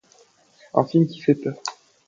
Un film qui fait peur.